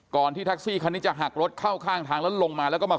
ที่แท็กซี่คันนี้จะหักรถเข้าข้างทางแล้วลงมาแล้วก็มา